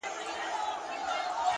هره لاسته راوړنه وخت غواړي,